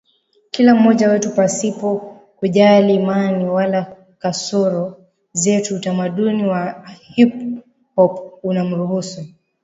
kila mmoja wetu pasipo kujali imani wala kasoro zetu Utamaduni wa hip hop unamruhusu